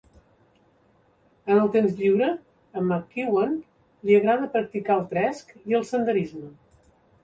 En el temps lliure, a McEwen li agrada practicar el tresc i el senderisme.